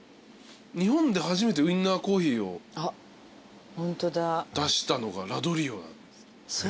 日本で初めてウィンナーコーヒーを出したのがラドリオ。